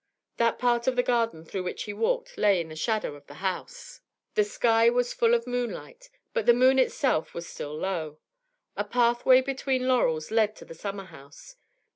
That part of the garden through which he walked lay in the shadow of the house; the sky was full of moonlight, but the moon itself was still low. A pathway between laurels led to the summer house.